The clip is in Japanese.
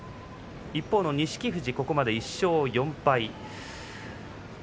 一方の錦富士、ここまで１勝４敗。